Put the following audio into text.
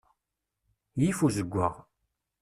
Yif uzeggaɣ.